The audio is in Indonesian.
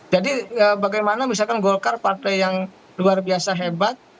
jadi bagaimana misalkan golkar partai yang luar biasa hebat